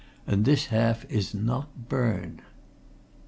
And this half is not burned!"